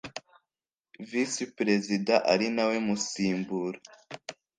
visi perezida ari nawe musimbura